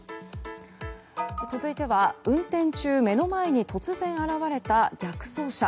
続いては運転中、目の前に突然現れた逆走車。